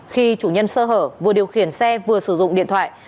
khi chủ nhân sơ hở vừa điều khiển xe vừa sử dụng điện thoại